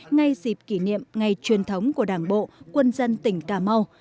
ngay dịp kỷ niệm ngày truyền thống của đảng bộ quân dân tỉnh cà mau